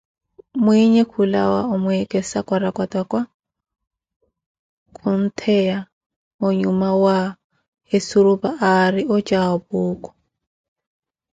Minyi khulawa omweekesa kwarakwattakwa, khunttheya onyuma wa esurupa aari ocaawo Puukhu.